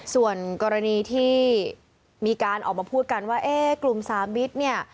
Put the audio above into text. ส่วนกรณีที่มีการออกมาพูดกันว่าเอ๊ะกลุ่มสามิตรเนี่ย